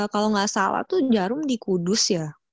kalau nggak salah tuh jarum di kudus ya